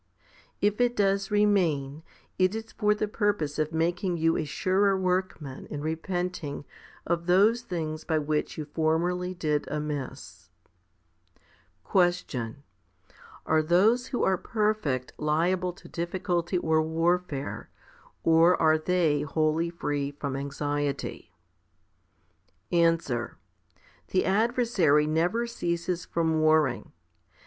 If it does remain, it is for the purpose of making you a surer workman in repenting of those things by which you formerly did amiss. 1 8. Question. Are those who are perfect liable to difficulty or warfare, or are they wholly free from anxiety? 1 Phil. iii. 8. ii 4 FIFTY SPIRITUAL HOMILIES Answer. The adversary never ceases from warring.